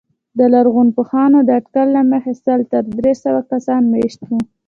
د لرغونپوهانو د اټکل له مخې سل تر درې سوه کسان مېشت وو